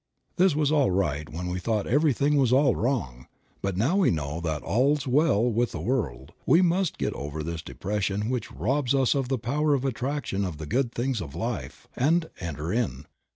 This was all right when we thought everything was all wrong, but now we know that "all's well with the world" we must get over this depression which robs us of the power of attraction of the good things of life, and "enter in."